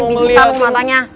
gua doain bintik kamu matanya